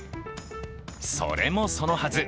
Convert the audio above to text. それもそのはず。